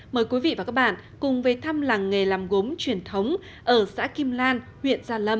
mời quý vị và các bạn cùng về thăm làng nghề làm gốm truyền thống ở xã kim lan huyện gia lâm